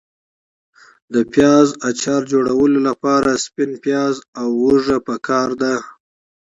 د پیاز اچار جوړولو لپاره سپین پیاز او هوګه پکار دي.